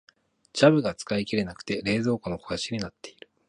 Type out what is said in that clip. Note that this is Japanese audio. ジャムが使い切れなくて冷蔵庫の肥やしになっている。